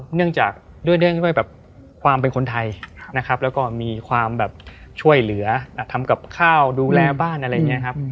เนื่องจากด้วยความเป็นคนไทยแล้วก็มีความช่วยเหลือทำกับข้าวดูแลบ้านอะไรอย่างนี้